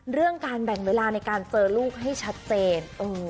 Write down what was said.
เรื่องการแบ่งเวลาในการเจอลูกให้ชัดเจน